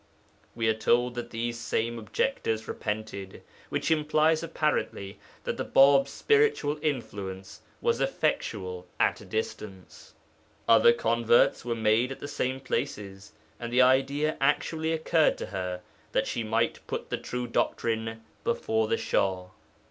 We are told that these same objectors repented, which implies apparently that the Bāb's spiritual influence was effectual at a distance. Other converts were made at the same places, and the idea actually occurred to her that she might put the true doctrine before the Shah.